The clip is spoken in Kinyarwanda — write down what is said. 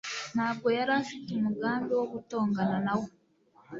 ntabwo yari afite umugambi wo gutongana na we